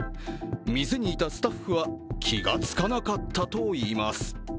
店にいたスタッフは気がつかなかったといいます。